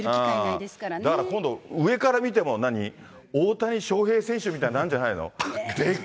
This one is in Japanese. だから今度、上から見ても大谷翔平選手みたいになるんじゃないの。